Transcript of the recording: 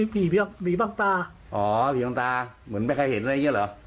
อ๋อพี่บ้างตาเหมือนไม่เคยเห็นอะไรอย่างนี้เหรอ